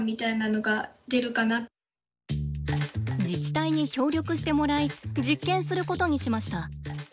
自治体に協力してもらい実験することにしました。